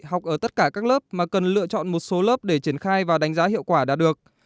học ở tất cả các lớp mà cần lựa chọn một số lớp để triển khai và đánh giá hiệu quả đã được